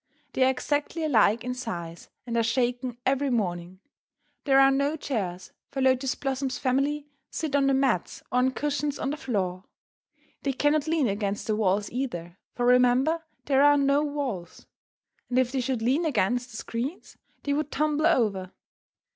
They are exactly alike in size, and are shaken every morning. There are no chairs, for Lotus Blossom's family sit on the mats or on cushions on the floor. They cannot lean against the walls either, for remember, there are no walls! And if they should lean against the screens they would tumble over.